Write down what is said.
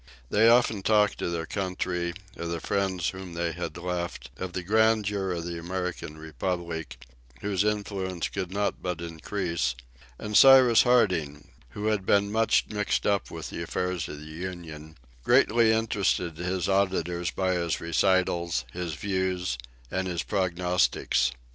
They often talked of their country, of the friends whom they had left, of the grandeur of the American Republic, whose influence could not but increase; and Cyrus Harding, who had been much mixed up with the affairs of the Union, greatly interested his auditors by his recitals, his views, and his prognostics.